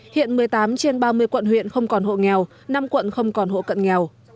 hiện một mươi tám trên ba mươi quận huyện không còn hộ nghèo năm quận không còn hộ cận nghèo